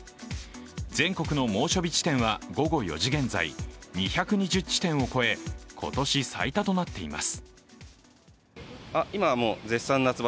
全国の猛暑日地点は午後４時現在２２０地点を超え今年最多となっています。